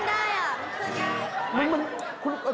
เคลื่อนได้อ่ะเคลื่อนได้